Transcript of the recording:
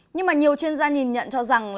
nhưng nhiều chuyên gia nhìn nhận cho rằng